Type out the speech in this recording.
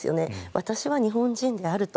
私は日本人であると。